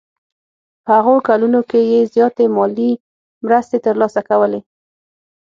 په هغو کلونو کې یې زیاتې مالي مرستې ترلاسه کولې.